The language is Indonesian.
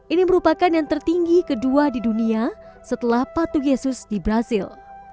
ini merupakan yang tertinggi kedua di dunia setelah patu yesus di brazil